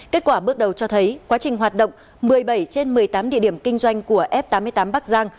kết quả bước đầu cho thấy quá trình hoạt động một mươi bảy trên một mươi tám địa điểm kinh doanh của f tám mươi tám bắc giang